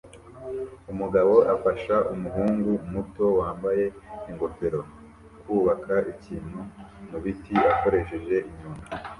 Umugabo afasha umuhungu muto wambaye ingofero kubaka ikintu mubiti akoresheje inyundo